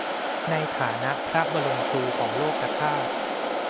ในฐานะพระบรมครูของโลกธาตุ